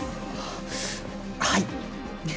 はい！